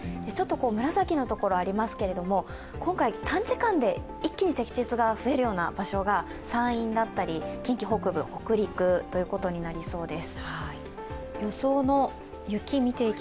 紫のところありますけど、今回、短時間で一気に積雪が増えるような場所が山陰だったり近畿北部、北陸ということになりそうです。